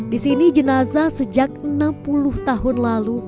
di sini jenazah sejak enam puluh tahun lalu